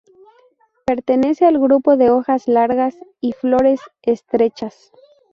Pertenece al grupo de hojas largas, y flores estrechas.